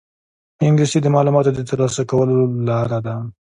انګلیسي د معلوماتو د ترلاسه کولو لاره ده